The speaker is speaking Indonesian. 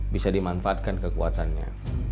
bisa dimanfaatkan kekuatannya